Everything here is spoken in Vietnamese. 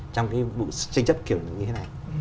trong cái bụi tranh chấp kiểu như thế này